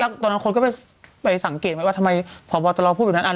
แต่ตอนนั้นคนก็ไปสังเกตว่าที่พอบอตรอพูดอยู่นั่น